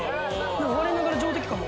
われながら上出来かも。